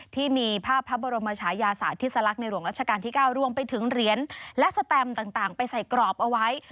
ที่มีภาพพระบรมชายาสาธิสลักษณ์ในหลวงรัชกาลที่๙รวมไปถึงเหรียญและสแตมต่างไปใส่กรอบเอาไว้